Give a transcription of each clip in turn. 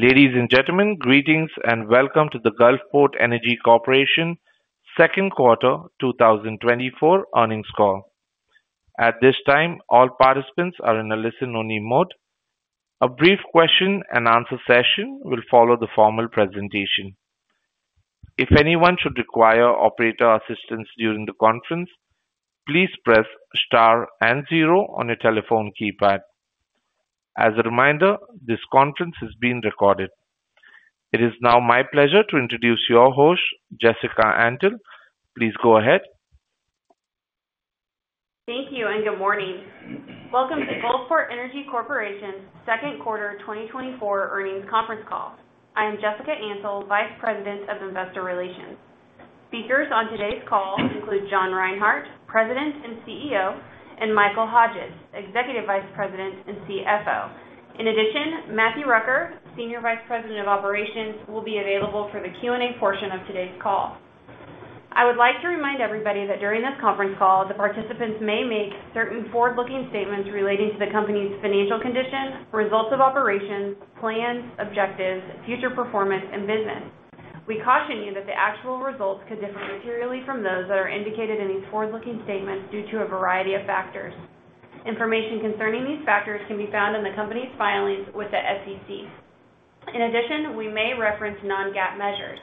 Ladies and gentlemen, greetings and welcome to the Gulfport Energy Corporation Q2 2024 Earnings Call. At this time, all participants are in a listen-only mode. A brief question-and-answer session will follow the formal presentation. If anyone should require operator assistance during the conference, please press star and zero on your telephone keypad. As a reminder, this conference is being recorded. It is now my pleasure to introduce your host, Jessica Antle. Please go ahead. Thank you, and good morning. Welcome to Gulfport Energy Corporation's Q2 2024 Earnings Conference Call. I am Jessica Antle, Vice President of Investor Relations. Speakers on today's call include John Reinhart, President and CEO, and Michael Hodges, Executive Vice President and CFO. In addition, Matthew Rucker, Senior Vice President of Operations, will be available for the Q&A portion of today's call. I would like to remind everybody that during this conference call, the participants may make certain forward-looking statements relating to the company's financial condition, results of operations, plans, objectives, future performance, and business. We caution you that the actual results could differ materially from those that are indicated in these forward-looking statements due to a variety of factors. Information concerning these factors can be found in the company's filings with the SEC. In addition, we may reference non-GAAP measures.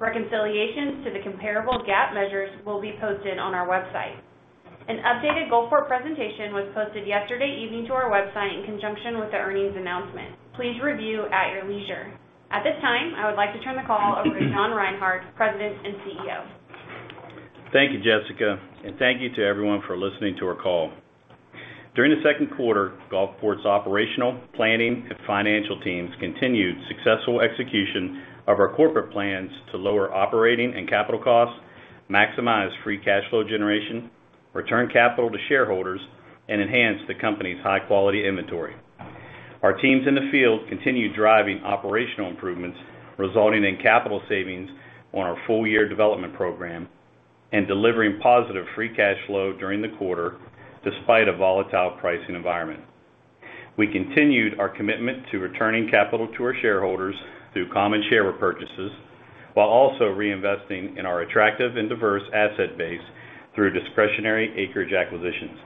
Reconciliations to the comparable GAAP measures will be posted on our website. An updated Gulfport presentation was posted yesterday evening to our website in conjunction with the earnings announcement. Please review at your leisure. At this time, I would like to turn the call over to John Reinhart, President and CEO. Thank you, Jessica, and thank you to everyone for listening to our call. During Q2, Gulfport's operational, planning, and financial teams continued successful execution of our corporate plans to lower operating and capital costs, maximize free cash flow generation, return capital to shareholders, and enhance the company's high-quality inventory. Our teams in the field continued driving operational improvements, resulting in capital savings on our full-year development program and delivering positive free cash flow during the quarter, despite a volatile pricing environment. We continued our commitment to returning capital to our shareholders through common share repurchases, while also reinvesting in our attractive and diverse asset base through discretionary acreage acquisitions.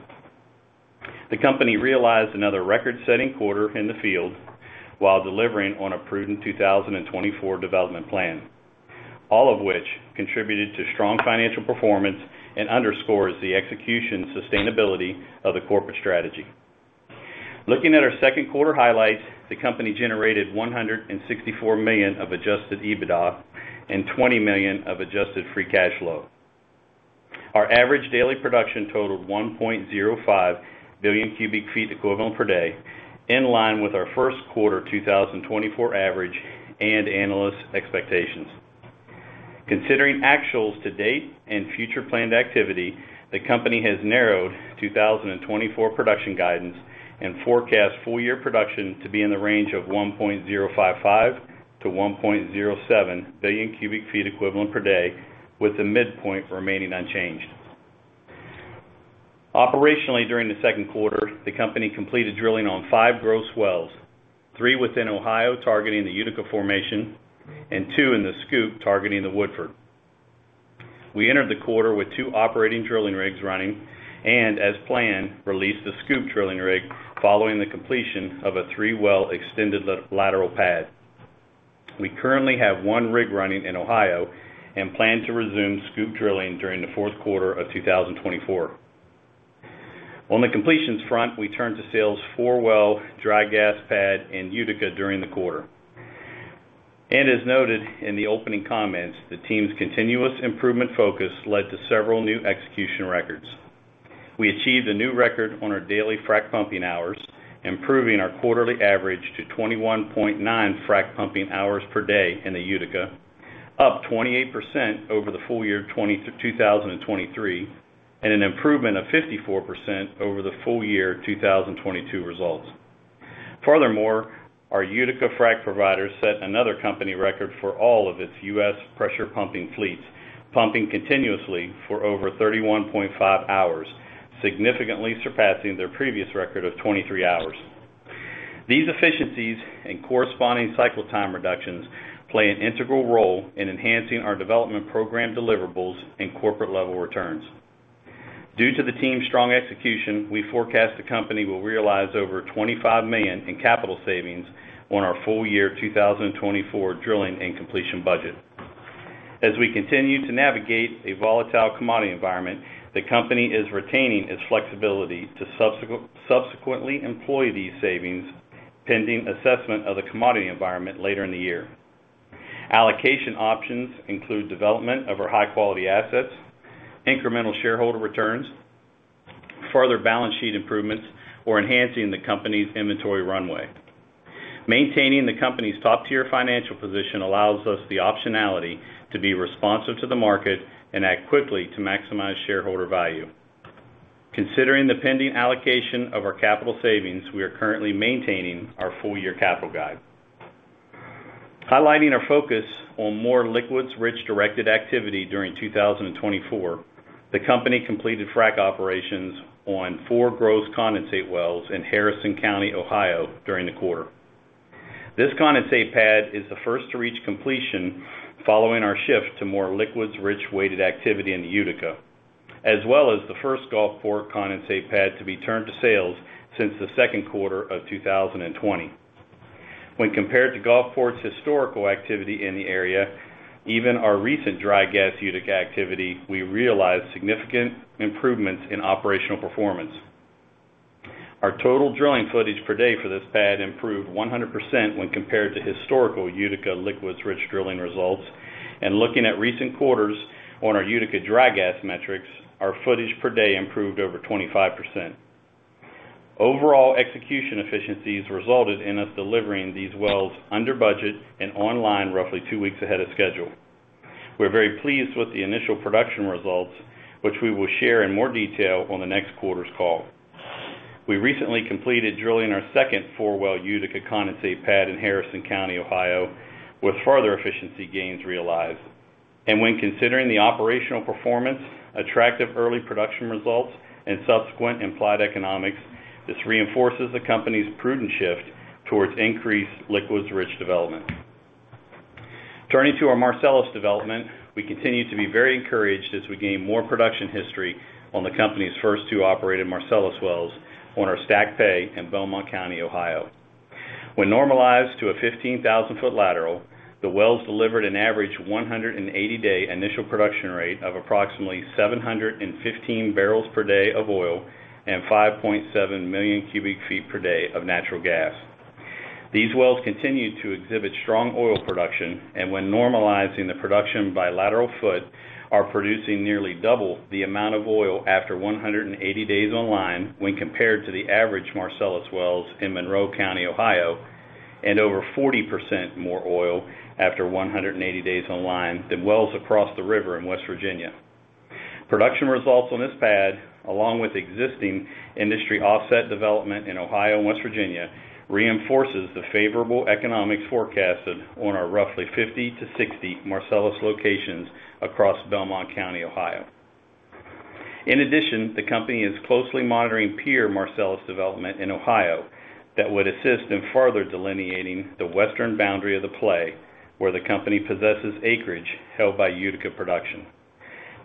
The company realized another record-setting quarter in the field while delivering on a prudent 2024 development plan, all of which contributed to strong financial performance and underscores the execution sustainability of the corporate strategy. Looking at our Q2 highlights, the company generated $164 million of Adjusted EBITDA and $20 million of Adjusted Free Cash Flow. Our average daily production totaled 1.05 billion cubic feet equivalent per day, in line with our Q1 2024 average and analyst expectations. Considering actuals to date and future planned activity, the company has narrowed 2024 production guidance and forecasts full-year production to be in the range of 1.055-1.07 billion cubic feet equivalent per day, with the midpoint remaining unchanged. Operationally, during the Q2, the company completed drilling on five gross wells, three within Ohio, targeting the Utica formation, and two in the SCOOP, targeting the Woodford. We entered the quarter with two operating drilling rigs running, and as planned, released the Scoop drilling rig following the completion of a 3-well extended lateral pad. We currently have one rig running in Ohio and plan to resume Scoop drilling during the fourth quarter of 2024. On the completions front, we turned to sales 4-well dry gas pad in Utica during the quarter. And as noted in the opening comments, the team's continuous improvement focus led to several new execution records. We achieved a new record on our daily frack pumping hours, improving our quarterly average to 21.9 frack pumping hours per day in the Utica, up 28% over the full year 2023, and an improvement of 54% over the full year 2022 results. Furthermore, our Utica frack provider set another company record for all of its US pressure pumping fleets, pumping continuously for over 31.5 hours, significantly surpassing their previous record of 23 hours. These efficiencies and corresponding cycle time reductions play an integral role in enhancing our development program deliverables and corporate-level returns. Due to the team's strong execution, we forecast the company will realize over $25 million in capital savings on our full-year 2024 drilling and completion budget. As we continue to navigate a volatile commodity environment, the company is retaining its flexibility to subsequently employ these savings, pending assessment of the commodity environment later in the year. Allocation options include development of our high-quality assets, incremental shareholder returns, further balance sheet improvements, or enhancing the company's inventory runway. Maintaining the company's top-tier financial position allows us the optionality to be responsive to the market and act quickly to maximize shareholder value. Considering the pending allocation of our capital savings, we are currently maintaining our full-year capital guide. Highlighting our focus on more liquids-rich directed activity during 2024... The company completed frack operations on four gross condensate wells in Harrison County, Ohio, during the quarter. This condensate pad is the first to reach completion following our shift to more liquids-rich weighted activity in the Utica, as well as the first Gulfport condensate pad to be turned to sales since Q2 of 2020. When compared to Gulfport's historical activity in the area, even our recent dry gas Utica activity, we realized significant improvements in operational performance. Our total drilling footage per day for this pad improved 100% when compared to historical Utica liquids-rich drilling results, and looking at recent quarters on our Utica dry gas metrics, our footage per day improved over 25%. Overall execution efficiencies resulted in us delivering these wells under budget and online, roughly two weeks ahead of schedule. We're very pleased with the initial production results, which we will share in more detail on the next quarter's call. We recently completed drilling our second four-well Utica condensate pad in Harrison County, Ohio, with further efficiency gains realized. When considering the operational performance, attractive early production results, and subsequent implied economics, this reinforces the company's prudent shift towards increased liquids-rich development. Turning to our Marcellus development, we continue to be very encouraged as we gain more production history on the company's first two operated Marcellus wells on our stacked Pay in Belmont County, Ohio. When normalized to a 15,000-foot lateral, the wells delivered an average 180-day initial production rate of approximately 715 barrels per day of oil and 5.7 million cubic feet per day of natural gas. These wells continue to exhibit strong oil production, and when normalizing the production by lateral foot, are producing nearly double the amount of oil after 180 days online when compared to the average Marcellus wells in Monroe County, Ohio, and over 40% more oil after 180 days online than wells across the river in West Virginia. Production results on this pad, along with existing industry offset development in Ohio and West Virginia, reinforces the favorable economics forecasted on our roughly 50-60 Marcellus locations across Belmont County, Ohio. In addition, the company is closely monitoring peer Marcellus development in Ohio that would assist in further delineating the western boundary of the play, where the company possesses acreage held by Utica production.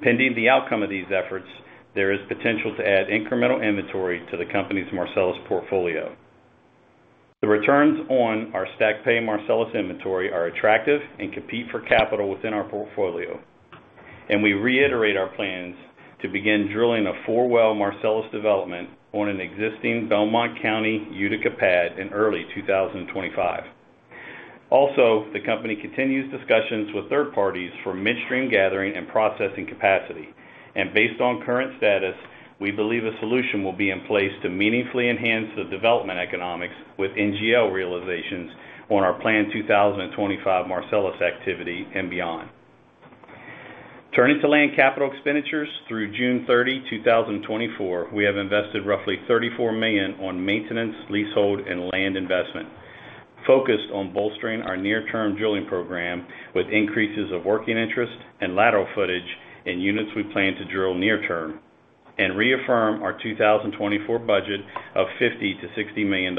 Pending the outcome of these efforts, there is potential to add incremental inventory to the company's Marcellus portfolio. The returns on our Stacked Pay Marcellus inventory are attractive and compete for capital within our portfolio, and we reiterate our plans to begin drilling a 4-well Marcellus development on an existing Belmont County Utica pad in early 2025. Also, the company continues discussions with third parties for midstream gathering and processing capacity, and based on current status, we believe a solution will be in place to meaningfully enhance the development economics with NGL realizations on our planned 2025 Marcellus activity and beyond. Turning to land capital expenditures, through June 30, 2024, we have invested roughly $34 million on maintenance, leasehold, and land investment, focused on bolstering our near-term drilling program with increases of working interest and lateral footage in units we plan to drill near term, and reaffirm our 2024 budget of $50-60 million.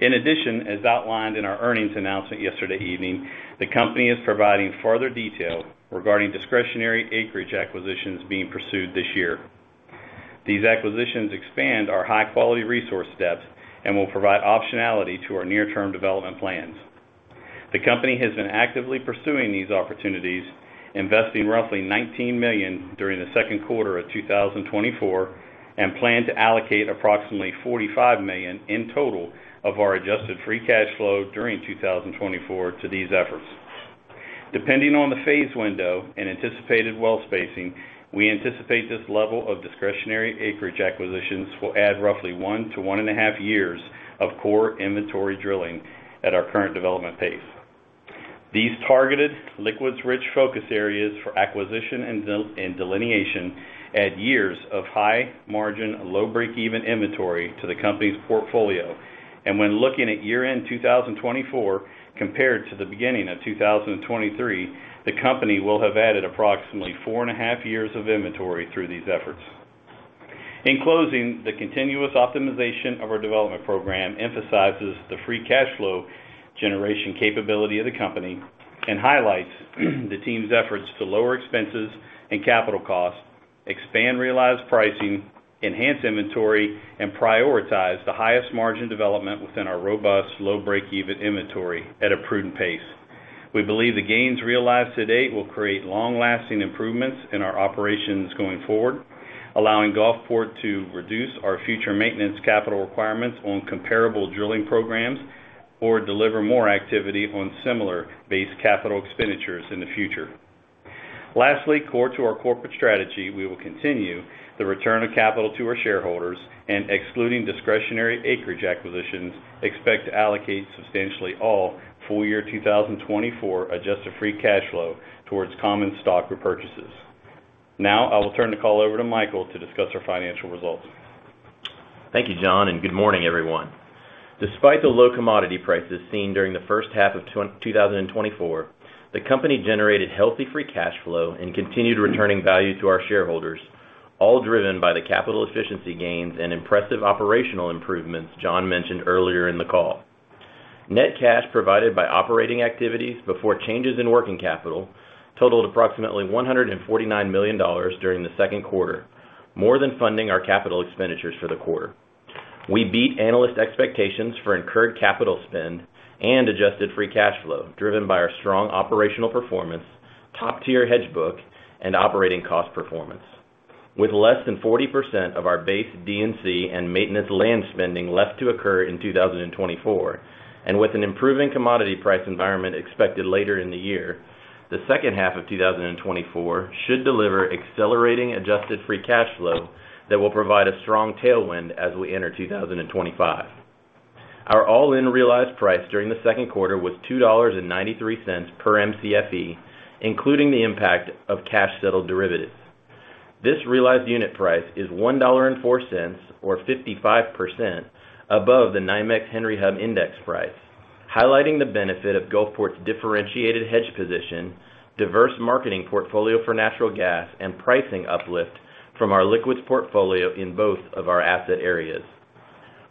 In addition, as outlined in our earnings announcement yesterday evening, the company is providing further detail regarding discretionary acreage acquisitions being pursued this year. These acquisitions expand our high-quality resource steps and will provide optionality to our near-term development plans. The company has been actively pursuing these opportunities, investing roughly $19 million during Q2 of 2024, and plan to allocate approximately $45 million in total of our Adjusted Free Cash Flow during 2024 to these efforts. Depending on the phase window and anticipated well spacing, we anticipate this level of discretionary acreage acquisitions will add roughly one to 1.5 years of core inventory drilling at our current development pace. These targeted liquids-rich focus areas for acquisition and delineation add years of high margin, low break-even inventory to the company's portfolio. And when looking at year-end 2024 compared to the beginning of 2023, the company will have added approximately 4.5 years of inventory through these efforts. In closing, the continuous optimization of our development program emphasizes the free cash flow generation capability of the company and highlights the team's efforts to lower expenses and capital costs, expand realized pricing, enhance inventory, and prioritize the highest margin development within our robust, low break-even inventory at a prudent pace. We believe the gains realized to date will create long-lasting improvements in our operations going forward, allowing Gulfport to reduce our future maintenance capital requirements on comparable drilling programs or deliver more activity on similar base capital expenditures in the future. Lastly, core to our corporate strategy, we will continue the return of capital to our shareholders, and excluding discretionary acreage acquisitions, expect to allocate substantially all full year 2024 adjusted free cash flow towards common stock repurchases. Now I will turn the call over to Michael to discuss our financial results. Thank you, John, and good morning, everyone. Despite the low commodity prices seen during the first half of 2024, the company generated healthy free cash flow and continued returning value to our shareholders, all driven by the capital efficiency gains and impressive operational improvements John mentioned earlier in the call. Net cash provided by operating activities before changes in working capital totaled approximately $149 million during Q2, more than funding our capital expenditures for the quarter. We beat analyst expectations for incurred capital spend and Adjusted Free Cash Flow, driven by our strong operational performance, top-tier hedge book, and operating cost performance. With less than 40% of our base DNC and maintenance land spending left to occur in 2024, and with an improving commodity price environment expected later in the year, the second half of 2024 should deliver accelerating adjusted free cash flow that will provide a strong tailwind as we enter 2025. Our all-in realized price during Q2 was $2.93 per Mcfe, including the impact of cash-settled derivatives. This realized unit price is $1.04, or 55%, above the NYMEX Henry Hub index price, highlighting the benefit of Gulfport's differentiated hedge position, diverse marketing portfolio for natural gas, and pricing uplift from our liquids portfolio in both of our asset areas.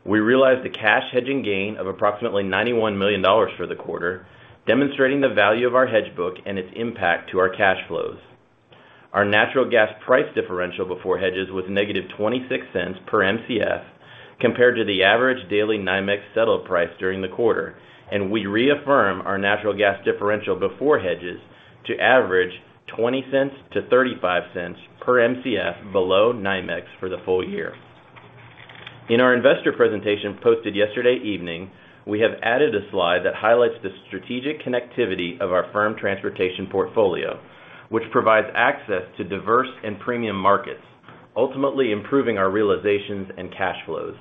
We realized a cash hedging gain of approximately $91 million for the quarter, demonstrating the value of our hedge book and its impact to our cash flows. Our natural gas price differential before hedges was -$0.26 per Mcf, compared to the average daily NYMEX settle price during the quarter, and we reaffirm our natural gas differential before hedges to average $0.20-0.35 per Mcf below NYMEX for the full year. In our investor presentation posted yesterday evening, we have added a slide that highlights the strategic connectivity of our firm transportation portfolio, which provides access to diverse and premium markets, ultimately improving our realizations and cash flows.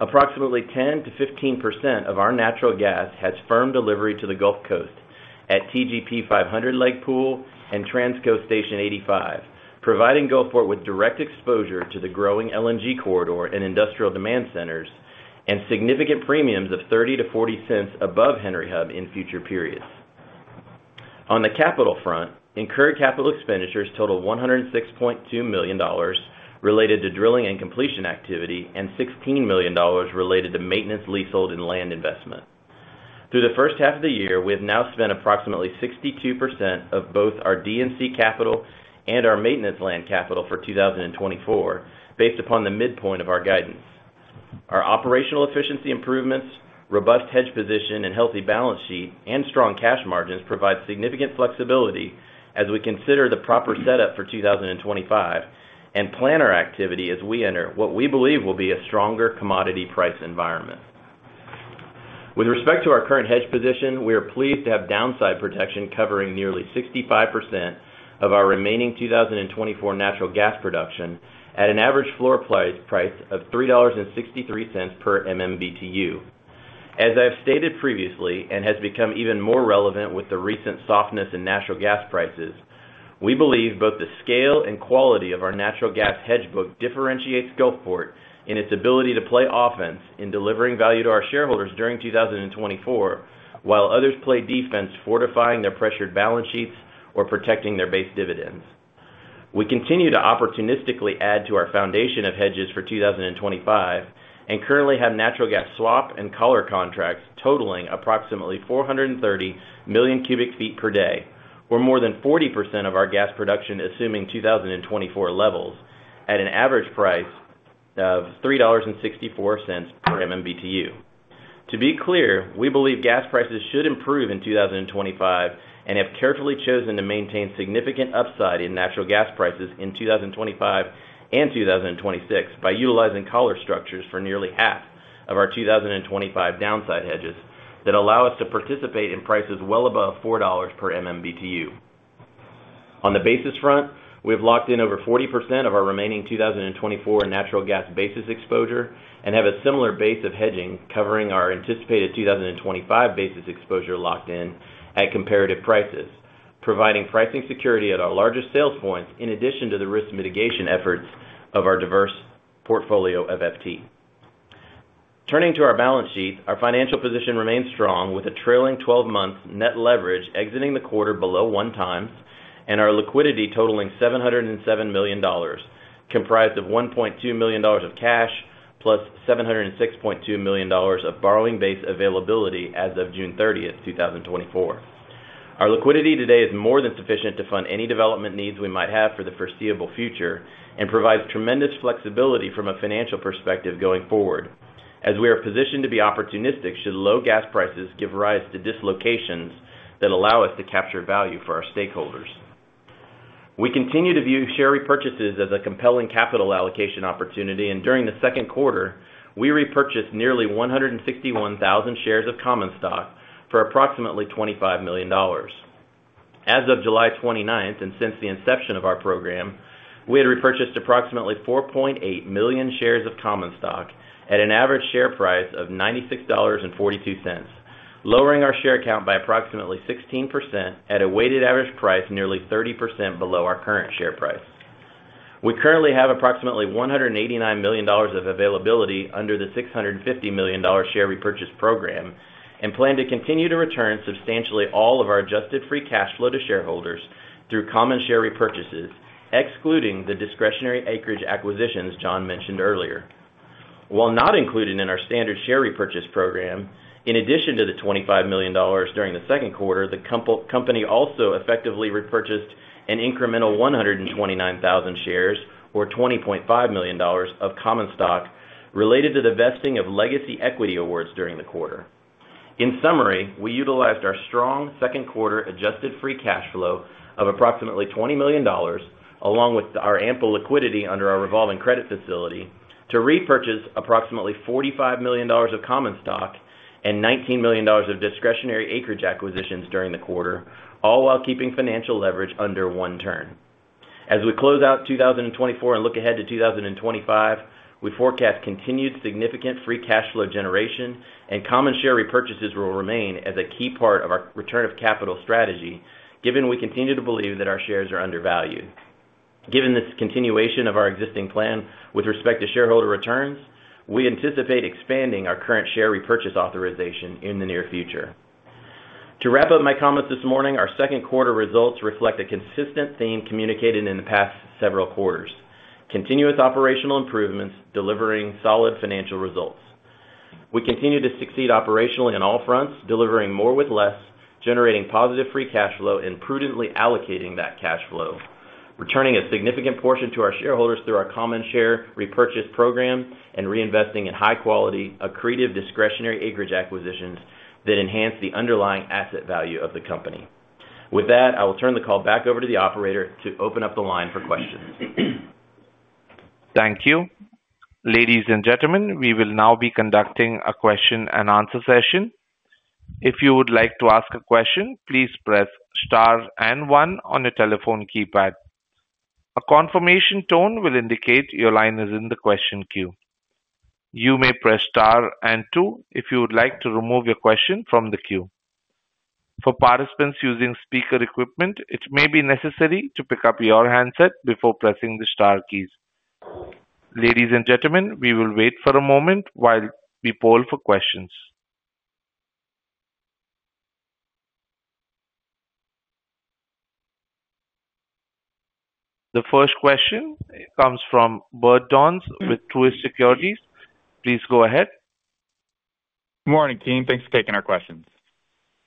Approximately 10%-15% of our natural gas has firm delivery to the Gulf Coast at TGP 500 Leg Pool and Transco Station 85, providing Gulfport with direct exposure to the growing LNG corridor and industrial demand centers, and significant premiums of 30-40 cents above Henry Hub in future periods. On the capital front, incurred capital expenditures total $106.2 million related to drilling and completion activity, and $16 million related to maintenance, leasehold, and land investment. Through the first half of the year, we have now spent approximately 62% of both our DNC capital and our maintenance land capital for 2024, based upon the midpoint of our guidance. Our operational efficiency improvements, robust hedge position, and healthy balance sheet, and strong cash margins provide significant flexibility as we consider the proper setup for 2025, and plan our activity as we enter what we believe will be a stronger commodity price environment. With respect to our current hedge position, we are pleased to have downside protection covering nearly 65% of our remaining 2024 natural gas production at an average floor price of $3.63 per MMBtu. As I've stated previously, and has become even more relevant with the recent softness in natural gas prices, we believe both the scale and quality of our natural gas hedge book differentiates Gulfport in its ability to play offense in delivering value to our shareholders during 2024, while others play defense, fortifying their pressured balance sheets or protecting their base dividends. We continue to opportunistically add to our foundation of hedges for 2025, and currently have natural gas swap and collar contracts totaling approximately 430 million cubic feet per day, or more than 40% of our gas production, assuming 2024 levels, at an average price of $3.64 per MMBtu. To be clear, we believe gas prices should improve in 2025, and have carefully chosen to maintain significant upside in natural gas prices in 2025 and 2026 by utilizing collar structures for nearly half of our 2025 downside hedges that allow us to participate in prices well above $4 per MMBtu. On the basis front, we have locked in over 40% of our remaining 2024 natural gas basis exposure and have a similar basis of hedging covering our anticipated 2025 basis exposure locked in at comparative prices, providing pricing security at our largest sales points, in addition to the risk mitigation efforts of our diverse portfolio of FT. Turning to our balance sheet, our financial position remains strong, with a trailing twelve-month net leverage exiting the quarter below one times, and our liquidity totaling $707 million, comprised of $1.2 million of cash, plus $706.2 million of borrowing base availability as of June 30, 2024. Our liquidity today is more than sufficient to fund any development needs we might have for the foreseeable future and provides tremendous flexibility from a financial perspective going forward, as we are positioned to be opportunistic should low gas prices give rise to dislocations that allow us to capture value for our stakeholders. We continue to view share repurchases as a compelling capital allocation opportunity, and during the Q2, we repurchased nearly 161,000 shares of common stock for approximately $25 million. As of July 29th, and since the inception of our program, we had repurchased approximately 4.8 million shares of common stock at an average share price of $96.42, lowering our share count by approximately 16% at a weighted average price, nearly 30% below our current share price. We currently have approximately $189 million of availability under the $650 million share repurchase program, and plan to continue to return substantially all of our adjusted free cash flow to shareholders through common share repurchases, excluding the discretionary acreage acquisitions John mentioned earlier. While not included in our standard share repurchase program, in addition to the $25 million during the Q2, the company also effectively repurchased an incremental 129,000 shares, or $20.5 million of common stock, related to the vesting of legacy equity awards during the quarter. In summary, we utilized our strong Q2 Adjusted Free Cash Flow of approximately $20 million, along with our ample liquidity under our revolving credit facility, to repurchase approximately $45 million of common stock and $19 million of discretionary acreage acquisitions during the quarter, all while keeping financial leverage under one turn. As we close out 2024 and look ahead to 2025, we forecast continued significant free cash flow generation and common share repurchases will remain as a key part of our return of capital strategy, given we continue to believe that our shares are undervalued. Given this continuation of our existing plan with respect to shareholder returns, we anticipate expanding our current share repurchase authorization in the near future. To wrap up my comments this morning, our Q2 results reflect a consistent theme communicated in the past several quarters: continuous operational improvements, delivering solid financial results. We continue to succeed operationally on all fronts, delivering more with less, generating positive free cash flow, and prudently allocating that cash flow, returning a significant portion to our shareholders through our common share repurchase program and reinvesting in high quality, accretive, discretionary acreage acquisitions that enhance the underlying asset value of the company. With that, I will turn the call back over to the operator to open up the line for questions. Thank you. Ladies and gentlemen, we will now be conducting a question and answer session. If you would like to ask a question, please press Star and One on your telephone keypad. A confirmation tone will indicate your line is in the question queue. You may press Star and Two if you would like to remove your question from the queue. For participants using speaker equipment, it may be necessary to pick up your handset before pressing the star keys. Ladies and gentlemen, we will wait for a moment while we poll for questions. The first question comes from Bert Donnes with Truist Securities. Please go ahead. Good morning, team. Thanks for taking our questions.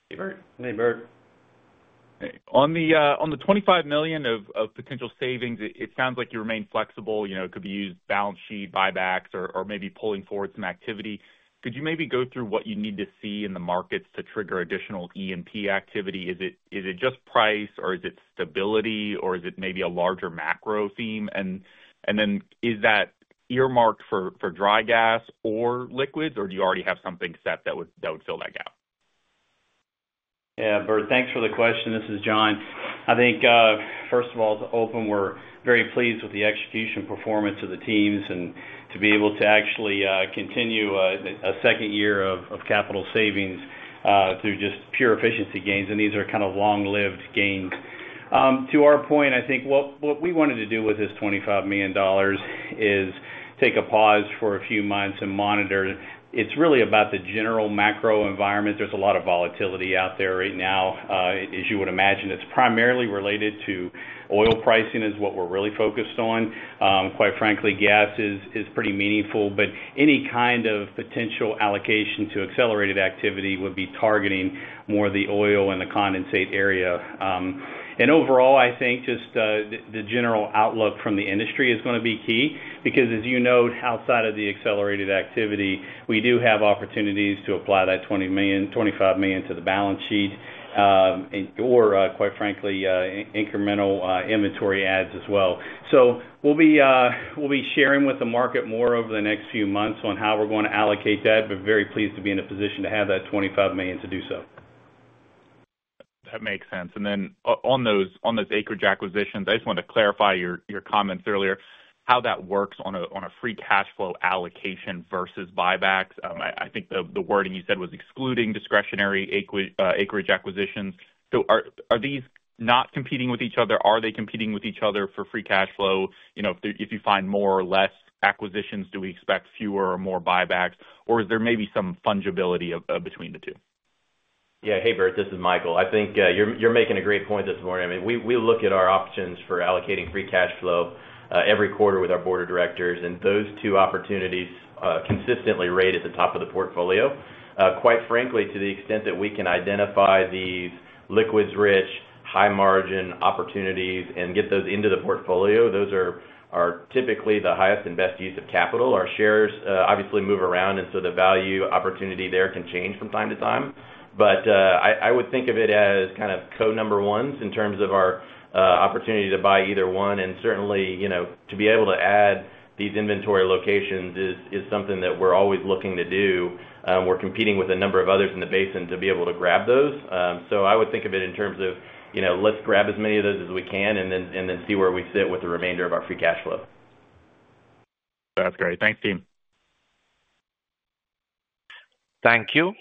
Hey, Bert. Hey, Bert. On the, on the $25 million of potential savings, it sounds like you remain flexible. You know, it could be used balance sheet, buybacks, or maybe pulling forward some activity. Could you maybe go through what you need to see in the markets to trigger additional E&P activity? Is it just price, or is it stability, or is it maybe a larger macro theme? And then is that earmarked for dry gas or liquids, or do you already have something set that would fill that gap? Yeah, Bert, thanks for the question. This is John. I think, first of all, to open, we're very pleased with the execution performance of the teams and to be able to actually continue a second year of capital savings through just pure efficiency gains, and these are kind of long-lived gains. To our point, I think what we wanted to do with this $25 million is take a pause for a few months and monitor. It's really about the general macro environment. There's a lot of volatility out there right now. As you would imagine, it's primarily related to oil pricing, is what we're really focused on. Quite frankly, gas is pretty meaningful, but any kind of potential allocation to accelerated activity would be targeting more the oil and the condensate area. Overall, I think just the general outlook from the industry is gonna be key because as you note, outside of the accelerated activity, we do have opportunities to apply that $25 million to the balance sheet, and/or quite frankly incremental inventory adds as well. We'll be sharing with the market more over the next few months on how we're going to allocate that, but very pleased to be in a position to have that $25 million to do so. That makes sense. And then on those acreage acquisitions, I just wanted to clarify your comments earlier, how that works on a free cash flow allocation versus buybacks. I think the wording you said was excluding discretionary acreage acquisitions. So are these not competing with each other? Are they competing with each other for free cash flow? You know, if you find more or less acquisitions, do we expect fewer or more buybacks? Or is there maybe some fungibility between the two? Yeah. Hey, Bert, this is Michael. I think you're making a great point this morning. I mean, we look at our options for allocating free cash flow every quarter with our board of directors, and those two opportunities consistently rate at the top of the portfolio. Quite frankly, to the extent that we can identify these liquids-rich, high-margin opportunities and get those into the portfolio, those are typically the highest and best use of capital. Our shares obviously move around, and so the value opportunity there can change from time to time. But I would think of it as kind of co-number ones in terms of our opportunity to buy either one, and certainly, you know, to be able to add these inventory locations is something that we're always looking to do. We're competing with a number of others in the basin to be able to grab those. So I would think of it in terms of, you know, let's grab as many of those as we can, and then, and then see where we sit with the remainder of our free cash flow. That's great. Thanks, team. Thank you.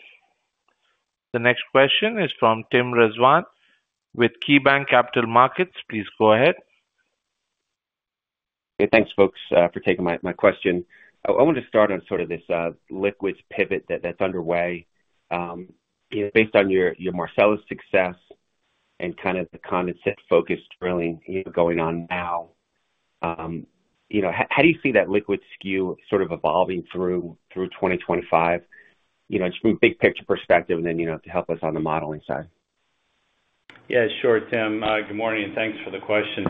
The next question is from Tim Rezvan with KeyBanc Capital Markets. Please go ahead. Hey, thanks, folks, for taking my, my question. I want to start on sort of this liquids pivot that's underway. Based on your, your Marcellus success and kind of the condensate focus drilling, you know, going on now, you know, how do you see that liquid SKU sort of evolving through 2025? You know, just from a big picture perspective, and then, you know, to help us on the modeling side. Yeah, sure, Tim. Good morning, and thanks for the question.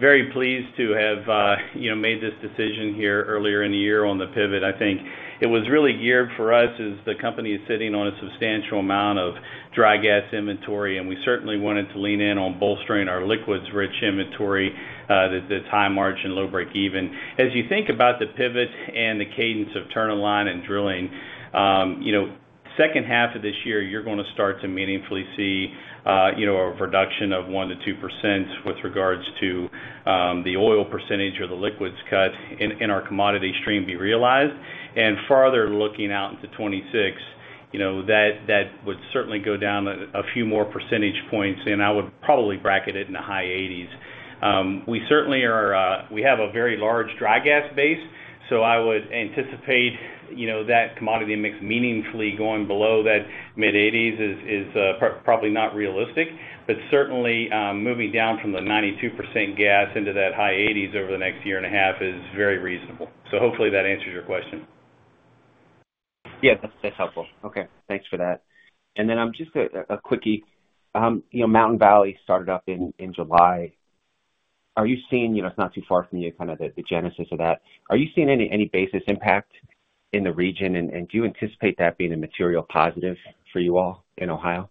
Very pleased to have, you know, made this decision here earlier in the year on the pivot. I think it was really geared for us as the company is sitting on a substantial amount of dry gas inventory, and we certainly wanted to lean in on bolstering our liquids-rich inventory, that's high margin, low break even. As you think about the pivot and the cadence of turn in line and drilling, you know, second half of this year, you're going to start to meaningfully see, you know, a reduction of 1%-2% with regards to, the oil percentage or the liquids cut in our commodity stream be realized. Further looking out into 2026, you know, that would certainly go down a few more percentage points, and I would probably bracket it in the high 80s. We certainly are, we have a very large dry gas base, so I would anticipate, you know, that commodity mix meaningfully going below that mid-80s is probably not realistic. But certainly, moving down from the 92% gas into that high 80s over the next year and a half is very reasonable. So hopefully that answers your question. Yeah, that's, that's helpful. Okay, thanks for that. And then, just a quickie. You know, Mountain Valley started up in July. Are you seeing... You know, it's not too far from you, kind of the genesis of that. Are you seeing any basis impact in the region? And do you anticipate that being a material positive for you all in Ohio?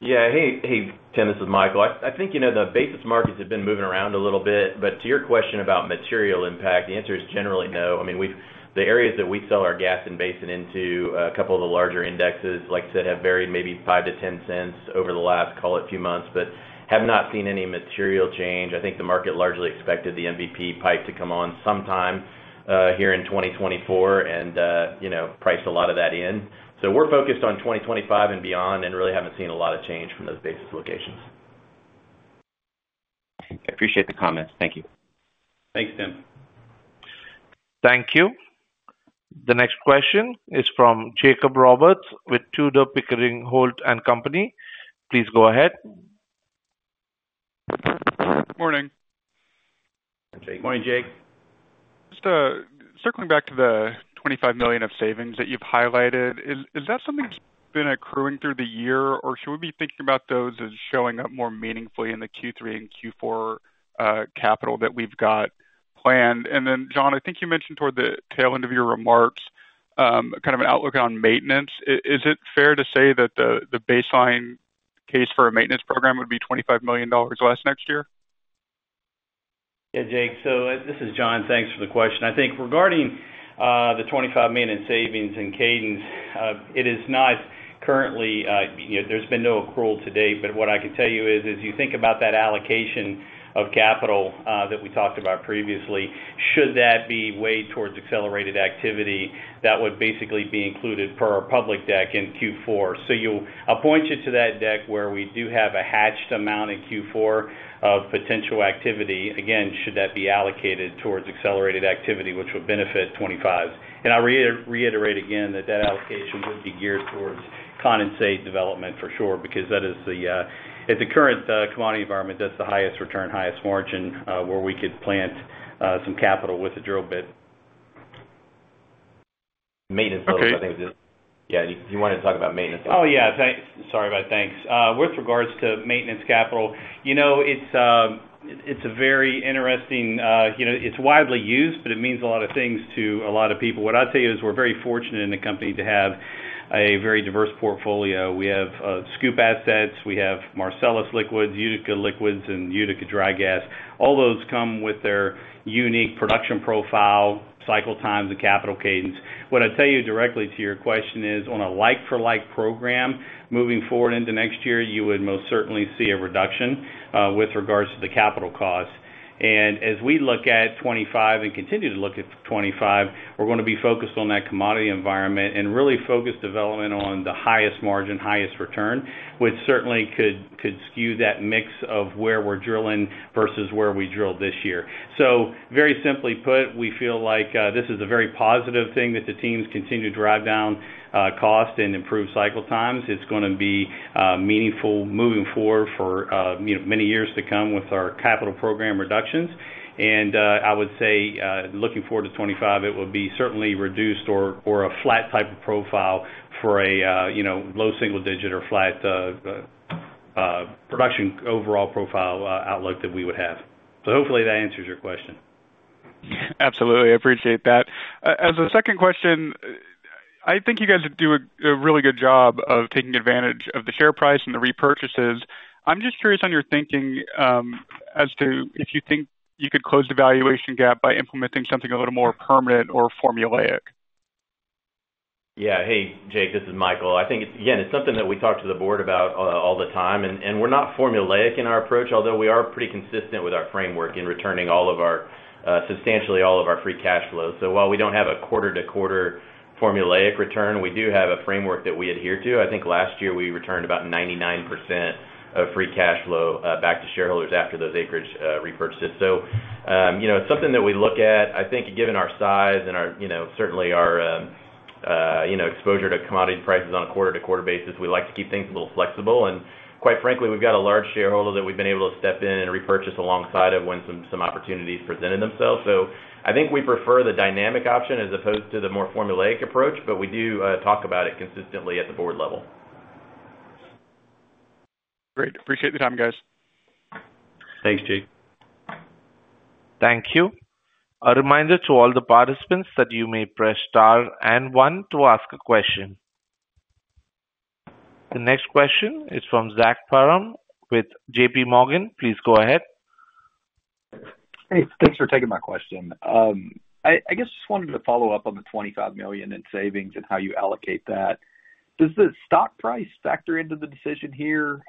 Yeah. Hey, hey, Tim, this is Michael. I think, you know, the basis markets have been moving around a little bit, but to your question about material impact, the answer is generally no. I mean, we've the areas that we sell our gas and basin into, a couple of the larger indexes, like I said, have varied maybe $0.05-0.10 over the last, call it, few months, but have not seen any material change. I think the market largely expected the MVP pipe to come on sometime here in 2024 and, you know, priced a lot of that in. So we're focused on 2025 and beyond and really haven't seen a lot of change from those basis locations. I appreciate the comments. Thank you. Thanks, Tim. Thank you. The next question is from Jacob Roberts with Tudor, Pickering, Holt & Co. Please go ahead. Morning. Morning, Jake. Just, circling back to the $25 million of savings that you've highlighted, is, is that something that's been accruing through the year, or should we be thinking about those as showing up more meaningfully in the Q3 and Q4 capital that we've got planned? And then, John, I think you mentioned toward the tail end of your remarks, kind of an outlook on maintenance. Is it fair to say that the, the baseline case for a maintenance program would be $25 million less next year? Yeah, Jake. So this is John. Thanks for the question. I think regarding the $25 million in savings and cadence, it is not currently, you know, there's been no accrual to date, but what I can tell you is, as you think about that allocation of capital that we talked about previously, should that be weighed towards accelerated activity, that would basically be included for our public deck in Q4. So you'll. I'll point you to that deck where we do have a hedged amount in Q4 of potential activity. Again, should that be allocated towards accelerated activity, which would benefit 25. I reiterate again that that allocation would be geared towards condensate development for sure, because that is the at the current commodity environment, that's the highest return, highest margin where we could plant some capital with the drill bit. Okay. Maintenance, I think. Yeah, you wanted to talk about maintenance? Oh, yeah. Sorry about that. Thanks. With regards to maintenance capital, you know, it's a very interesting, you know, it's widely used, but it means a lot of things to a lot of people. What I'd say is we're very fortunate in the company to have a very diverse portfolio. We have SCOOP assets, we have Marcellus liquids, Utica liquids, and Utica dry gas. All those come with their unique production profile, cycle times and capital cadence. What I'd tell you directly to your question is, on a like-for-like program, moving forward into next year, you would most certainly see a reduction with regards to the capital costs. As we look at 2025 and continue to look at 2025, we're going to be focused on that commodity environment and really focus development on the highest margin, highest return, which certainly could skew that mix of where we're drilling versus where we drilled this year. So very simply put, we feel like this is a very positive thing, that the teams continue to drive down cost and improve cycle times. It's going to be meaningful moving forward for you know, many years to come with our capital program reductions. And I would say looking forward to 2025, it will be certainly reduced or a flat type of profile for a you know, low single digit or flat production overall profile outlook that we would have. So hopefully that answers your question. Absolutely. I appreciate that. As a second question, I think you guys do a really good job of taking advantage of the share price and the repurchases. I'm just curious on your thinking, as to if you think you could close the valuation gap by implementing something a little more permanent or formulaic?... Yeah. Hey, Jake, this is Michael. I think it's, again, it's something that we talk to the board about all the time, and we're not formulaic in our approach, although we are pretty consistent with our framework in returning all of our substantially all of our free cash flows. So while we don't have a quarter-to-quarter formulaic return, we do have a framework that we adhere to. I think last year we returned about 99% of free cash flow back to shareholders after those acreage repurchases. So, you know, it's something that we look at. I think given our size and our, you know, certainly our, you know, exposure to commodity prices on a quarter-to-quarter basis, we like to keep things a little flexible. Quite frankly, we've got a large shareholder that we've been able to step in and repurchase alongside of when some opportunities presented themselves. So I think we prefer the dynamic option as opposed to the more formulaic approach, but we do talk about it consistently at the board level. Great. Appreciate the time, guys. Thanks, Jake. Thank you. A reminder to all the participants that you may press star and one to ask a question. The next question is from Zach Parham with J.P. Morgan. Please go ahead. Hey, thanks for taking my question. I guess just wanted to follow up on the $25 million in savings and how you allocate that. Does the stock price factor into the decision here,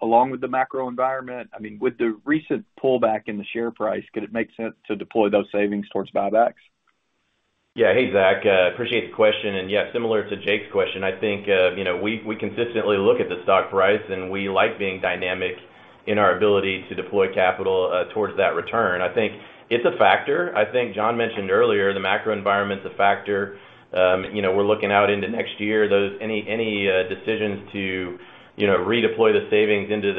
along with the macro environment? I mean, with the recent pullback in the share price, could it make sense to deploy those savings towards buybacks? Yeah. Hey, Zach, appreciate the question. And yeah, similar to Jake's question, I think, you know, we consistently look at the stock price, and we like being dynamic in our ability to deploy capital towards that return. I think it's a factor. I think John mentioned earlier, the macro environment's a factor. You know, we're looking out into next year. Any decisions to, you know, redeploy the savings into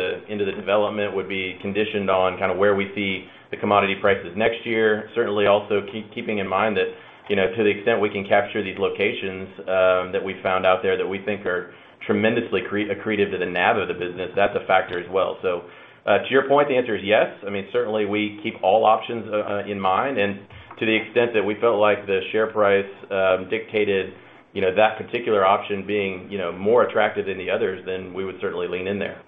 the development would be conditioned on kind of where we see the commodity prices next year. Certainly also keeping in mind that, you know, to the extent we can capture these locations, that we found out there that we think are tremendously accretive to the NAV of the business, that's a factor as well. So, to your point, the answer is yes. I mean, certainly we keep all options in mind, and to the extent that we felt like the share price dictated, you know, that particular option being, you know, more attractive than the others, then we would certainly lean in there.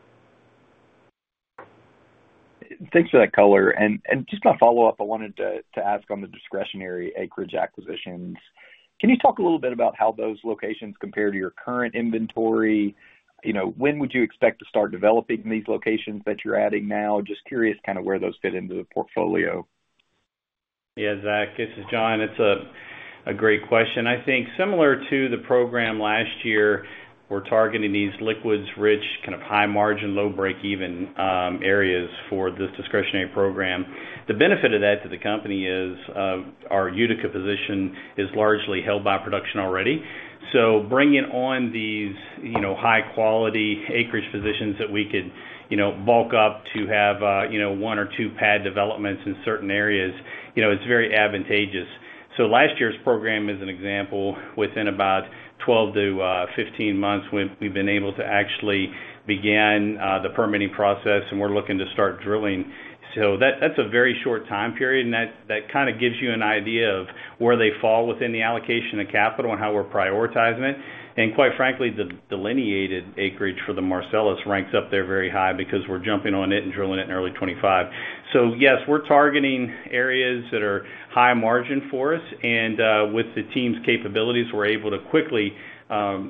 Thanks for that color. And just to follow up, I wanted to ask on the discretionary acreage acquisitions. Can you talk a little bit about how those locations compare to your current inventory? You know, when would you expect to start developing these locations that you're adding now? Just curious kind of where those fit into the portfolio. Yeah, Zach, this is John. It's a great question. I think similar to the program last year, we're targeting these liquids-rich, kind of high margin, low break-even areas for this discretionary program. The benefit of that to the company is our Utica position is largely held by production already. So bringing on these, you know, high-quality acreage positions that we could, you know, bulk up to have, you know, one or two pad developments in certain areas, you know, is very advantageous. So last year's program is an example, within about 12-15 months, we've been able to actually begin the permitting process, and we're looking to start drilling. So that's a very short time period, and that kind of gives you an idea of where they fall within the allocation of capital and how we're prioritizing it. Quite frankly, the delineated acreage for the Marcellus ranks up there very high because we're jumping on it and drilling it in early 2025. Yes, we're targeting areas that are high margin for us, and with the team's capabilities, we're able to quickly,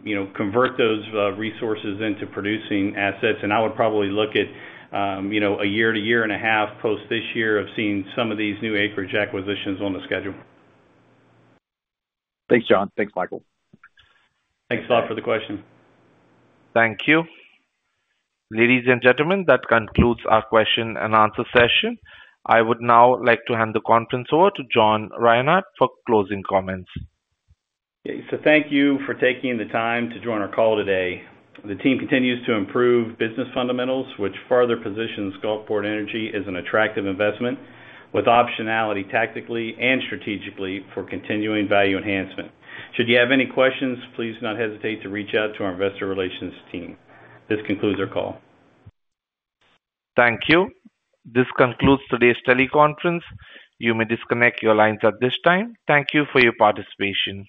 you know, convert those resources into producing assets. I would probably look at, you know, a year to year and a half post this year of seeing some of these new acreage acquisitions on the schedule. Thanks, John. Thanks, Michael. Thanks a lot for the question. Thank you. Ladies and gentlemen, that concludes our question and answer session. I would now like to hand the conference over to John Reinhart for closing comments. Thank you for taking the time to join our call today. The team continues to improve business fundamentals, which further positions Gulfport Energy as an attractive investment, with optionality tactically and strategically for continuing value enhancement. Should you have any questions, please do not hesitate to reach out to our investor relations team. This concludes our call. Thank you. This concludes today's teleconference. You may disconnect your lines at this time. Thank you for your participation.